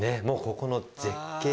もうここの。